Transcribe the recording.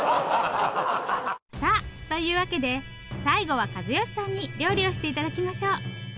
さあというわけで最後は和善さんに料理をして頂きましょう。